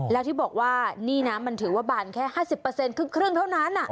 อ๋อแล้วที่บอกว่านี่น่ะมันถือว่าบานแค่ห้าสิบเปอร์เซ็นต์ครึ่งครึ่งเท่านั้นอ่ะ